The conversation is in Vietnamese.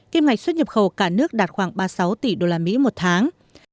kim ngạch xuất nhập khẩu cả nước đạt khoảng ba mươi sáu tỷ usd một tháng